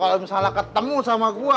kalau misalnya ketemu sama gue